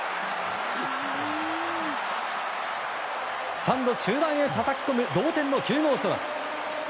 スタンド中段へたたき込む同点の９号ソロ。